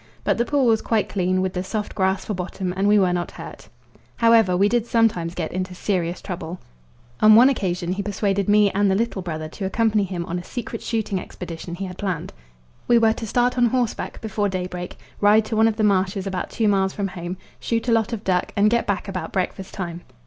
But the pool was quite clean, with the soft grass for bottom, and we were not hurt. However, we did sometimes get into serious trouble. On one occasion he persuaded me and the little brother to accompany him on a secret shooting expedition he had planned. We were to start on horseback before daybreak, ride to one of the marshes about two miles from home, shoot a lot of duck, and get back about breakfast time.